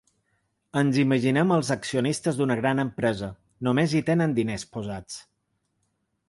Ens imaginem els accionistes d’una gran empresa, només hi tenen diners posats.